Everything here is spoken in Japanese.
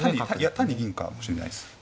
単に銀かもしれないです。